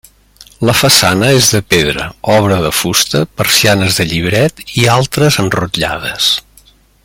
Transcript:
La façana és de pedra, obra de fusta, persianes de llibret i altres enrotllades.